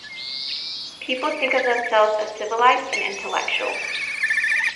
People think of themselves as civilized and intellectual.